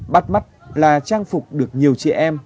bắt mắt là trang phục được nhiều chị em